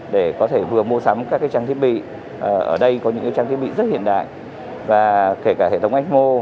để có thể vừa mua sắm các trang thiết bị ở đây có những trang thiết bị rất hiện đại và kể cả hệ thống ecmo